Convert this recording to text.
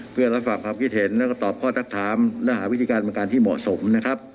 เพื่อรับฝากความคิดเห็นแล้วก็ตอบข้อทักถามและหาวิธีการบริการที่เหมาะสมนะครับ